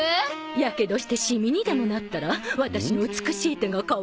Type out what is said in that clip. やけどしてシミにでもなったらワタシの美しい手がかわいそう。